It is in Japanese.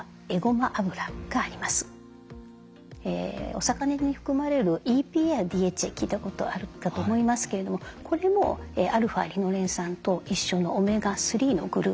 お魚に含まれるＥＰＡやＤＨＡ聞いたことあるかと思いますけれどもこれもα−リノレン酸と一緒のオメガ３のグループに含まれます。